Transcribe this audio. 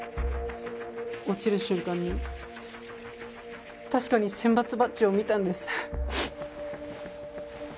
落ちる瞬間に確かに選抜バッジを見たんです。